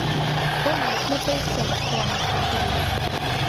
— Конешне, полшем, — куаныш Качырий.